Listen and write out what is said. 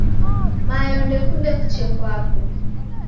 Mayo ndekunde kuche kwapo.